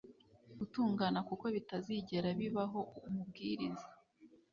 gutungana kuko bitazigera bibaho umubwiriza